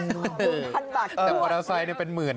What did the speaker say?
แต่เวลาไซส์นี่เป็น๑๐๐๐๐บาท